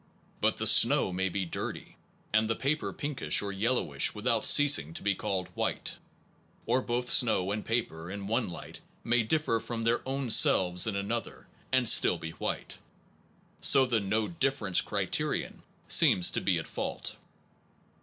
But the snow may be dirty, and the paper pinkish or yellowish without ceasing to be called white ; or both snow and paper in one light may differ from their own selves in another and still be white, so the no difference criterion seems to be at fault.